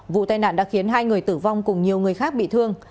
vụ tai nạn đã khiến hai người tử vong cùng nhiều người khác bị thương